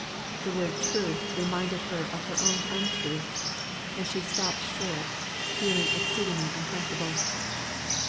The word "truth," reminded her of her own untruth, and she stopped short, feeling exceedingly uncomfortable.